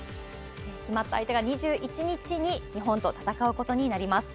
決まった相手が２１日に、日本と戦うことになります。